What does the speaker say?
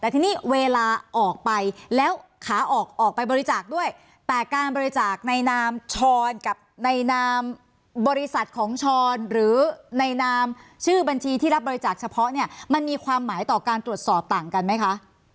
แต่ทีนี้เวลาออกไปแล้วขาออกออกไปบริจาคด้วยแต่การบริจาคในนามช้อนกับในนามบริษัทของช้อนหรือในนามชื่อบัญชีที่รับบริจาคเฉพาะเนี่ยมันมีความหมายต่อการตรวจสอบต่างกันไหมคะ